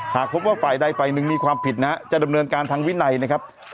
หากพบว่าฝ่ายใดฝ่ายหนึ่งมีความผิดนะจะดำเนินการทางวินัยนะครับ